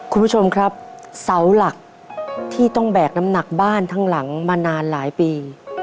คุณผู้ชมครับเสาหลักที่ต้องแบกน้ำหนักบ้านทั้งหลังมานานหลายปี